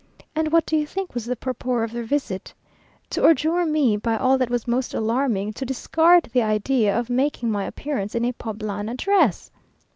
And what do you think was the purport of their visit? To adjure me by all that was most alarming, to discard the idea of making my appearance in a Poblana dress!